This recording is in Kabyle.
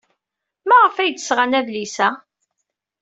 Maɣef ay d-sɣan adlis-a?